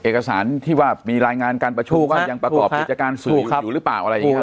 เอกสารที่ว่ามีรายงานการประชูว่ายังประกอบกิจการสื่อกันอยู่หรือเปล่าอะไรอย่างนี้ครับ